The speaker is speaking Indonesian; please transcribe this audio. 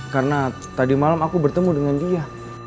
karena tadi malam aku bertemu dengan dia